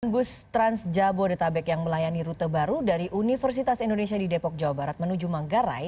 delapan bus trans jabodetabek yang melayani rute baru dari universitas indonesia di depok jawa barat menuju manggarai